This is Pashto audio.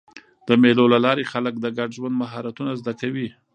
د مېلو له لاري خلک د ګډ ژوند مهارتونه زده کوي.